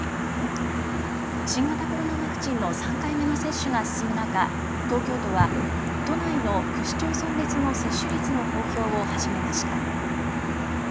新型コロナワクチンの３回目の接種が進む中、東京都は都内の区市町村別の接種率の公表を始めました。